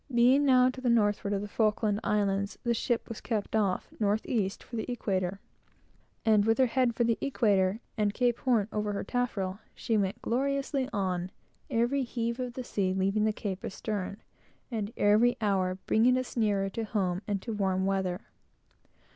Being now to northward of the Falkland Islands, the ship was kept off, north east, for the equator; and with her head for the equator, and Cape Horn over her taffrail, she went gloriously on; every heave of the sea leaving the Cape astern, and every hour bringing us nearer to home, and to warm weather.